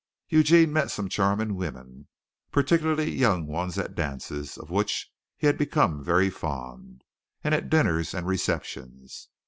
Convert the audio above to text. Eugene met some charming women, particularly young ones, at dances, of which he had become very fond, and at dinners and receptions.